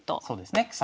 そうですね。